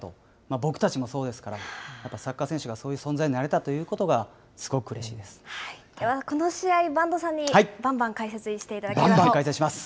僕たちもそうですから、やっぱサッカー選手がそういう存在になれたということが、すごくうれしいこの試合、播戸さんにばんばばんばん解説します。